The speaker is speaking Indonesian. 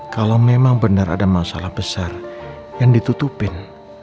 kalau memang benar ada masalah besar yang ditutupin